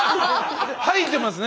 吐いてますね！